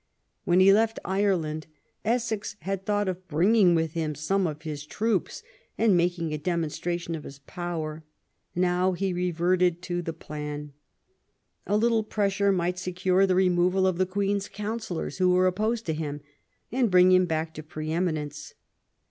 When he left Ireland, Essex had thought of bringing with him some of his troops and making a demonstration of his power; now he reverted to the plan. A little pressure might secure the removal of the Queen's counsellors who were opposed to him, and bring him back to pre eminence.